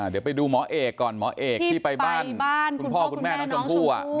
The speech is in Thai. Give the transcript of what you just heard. เดี๋ยวไปดูหมอเอกก่อนหมอเอกที่ไปบ้านคุณพ่อคุณแม่น้องชมพู่